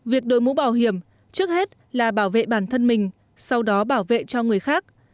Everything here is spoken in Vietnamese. việc đội mũ bảo hiểm trước hết là bảo vệ bản thân mình sau đó bảo vệ cho người khác